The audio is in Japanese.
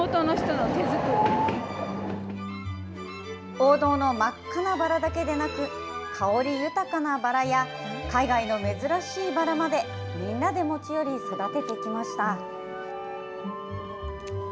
王道の真っ赤なバラだけでなく、香り豊かなバラや、海外の珍しいバラまで、みんなで持ち寄り、育ててきました。